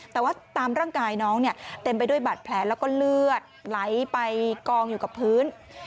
แต่ว่าตามร่างกายน้องเนี่ยเต็มไปด้วยบาดแผลแล้วก็เลือดไหลไปกองอยู่กับพื้น